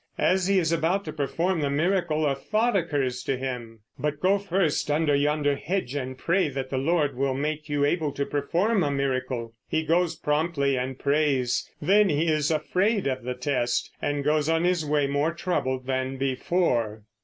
As he is about to perform the miracle a thought occurs to him: "But go first under yonder hedge and pray that the Lord will make you able to perform a miracle." He goes promptly and prays. Then he is afraid of the test, and goes on his way more troubled than before.